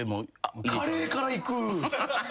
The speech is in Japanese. カレーからいく！？